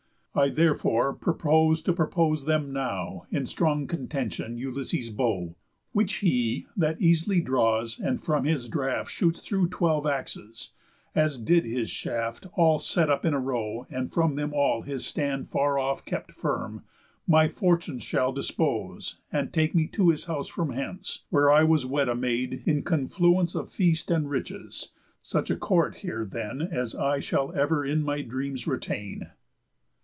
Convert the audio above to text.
I, therefore, purpose to propose them now, In strong contention, Ulysses' bow; Which he that eas'ly draws, and from his draft Shoots through twelve axes (as he did his shaft, All set up in a row, and from them all His stand far off kept firm) my fortunes shall Dispose, and take me to his house from hence, Where I was wed a maid, in confluence Of feast and riches; such a court here then As I shall ever in my dreams retain."